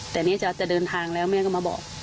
แต่นี่จะเดินทางแล้วแม่ก็มาบอก